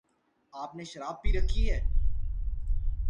آپ نے شراب پی رکھی ہے؟